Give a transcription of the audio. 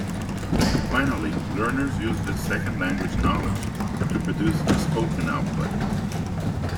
Finally, learners use this second-language knowledge to produce spoken output.